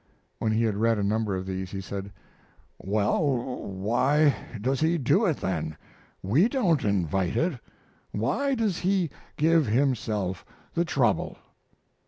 When he had read a number of these he said: "Well, why does He do it then? We don't invite it. Why does He give Himself the trouble?"